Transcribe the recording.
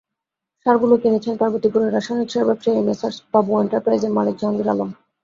সারগুলো কিনেছেন পার্বতীপুরের রাসায়নিক সার ব্যবসায়ী মেসার্স বাবু এন্টারপ্রাইজের মালিক জাহাঙ্গীর আলম।